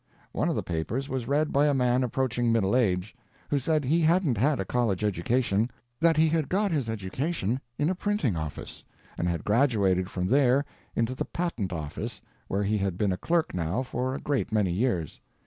One of the papers was read by a man approaching middle age, who said he hadn't had a college education, that he had got his education in a printing office, and had graduated from there into the patent office, where he had been a clerk now for a great many years.